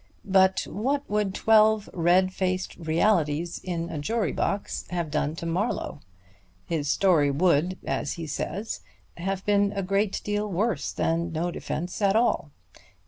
But what would twelve red faced realities in a jury box have done to Marlowe? His story would, as he says, have been a great deal worse than no defense at all.